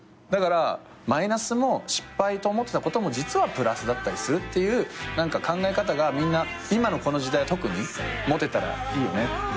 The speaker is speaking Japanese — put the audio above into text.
だからマイナスも失敗と思ってたことも実はプラスだったりするっていう考え方がみんな今のこの時代は特に持てたらいいよね。